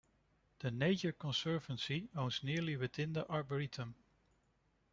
The Nature Conservancy owns nearly within the arboretum.